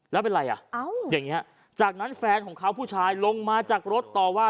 แล้วเป็นไรจากนั้นแฟนของเขาผู้ชายลงมาจากรถต่อว่า